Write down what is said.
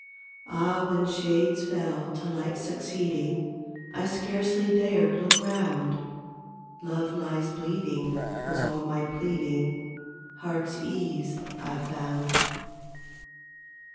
Ah, when shades fell to light succeeding, I scarcely dared look round :" Love lies bleeding " was all my pleading, Heartsease I found.